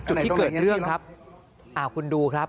จุดที่เกิดเรื่องครับคุณดูครับ